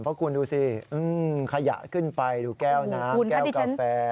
เพราะคุณดูสิขยะขึ้นไปดูแก้วน้ำแก้วกาแฟ